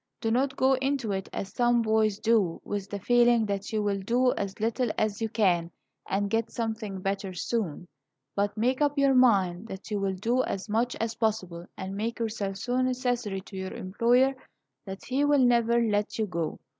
Do not go into it, as some boys do, with the feeling that you will do as little as you can and get something better soon, but make up your mind that you will do as much as possible, and make yourself so necessary to your employer that he will never let you go.